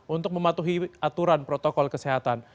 untuk mematuhi aturan protokol kesehatan